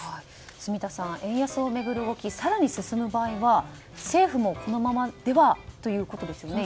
住田さん、円安を巡る動き更に進む場合は政府もこのままではということですよね。